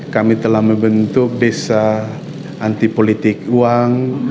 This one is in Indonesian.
kami telah membentuk desa anti politik uang